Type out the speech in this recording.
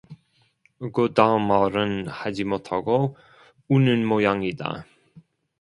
그 다음 말은 하지 못하고 우는 모양이다.